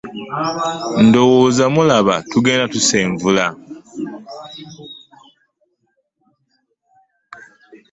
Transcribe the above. Ndowooza mulaba tugenda tusenvula.